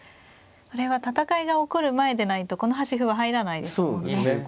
これは戦いが起こる前でないとこの端歩は入らないですもんね。